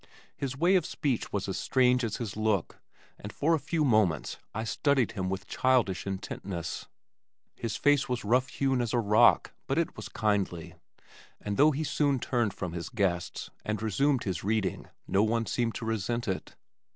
His way of speech was as strange as his look and for a few moments I studied him with childish intentness. His face was rough hewn as a rock but it was kindly, and though he soon turned from his guests and resumed his reading no one seemed to resent it.